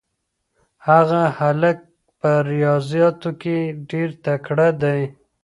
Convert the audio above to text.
هغه هلک په ریاضیاتو کې ډېر تکړه دی.